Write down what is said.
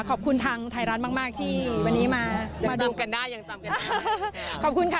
ขอบคุณทางไทยรัฐมากที่วันนี้มาดู